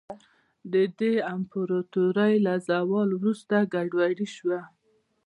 د دې امپراتورۍ له زوال وروسته ګډوډي شوه.